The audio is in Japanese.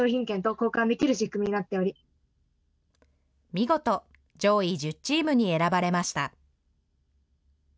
見事、上位１０チームに選ばれました。